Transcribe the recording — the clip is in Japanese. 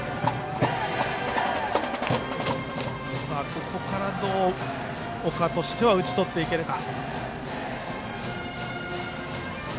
ここからどう岡としては打ち取っていけるか。